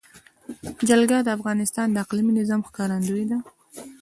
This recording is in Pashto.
جلګه د افغانستان د اقلیمي نظام ښکارندوی ده.